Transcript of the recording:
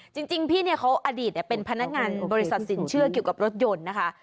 จริงพี่เนี่ยเขาอดีตเป็นพนักงานบริษัทสินเชื่อเกี่ยวกับรถยนต์นะคะ